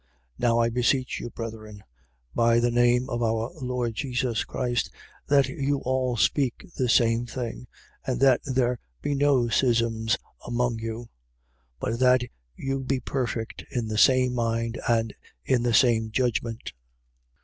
1:10. Now I beseech you, brethren, by the name of our Lord Jesus Christ, that you all speak the same thing and that there be no schisms among you: but that you be perfect in the same mind and in the same judgment.